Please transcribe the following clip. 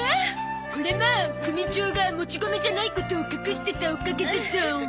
これも組長がもち米じゃないことを隠してたおかげだゾ。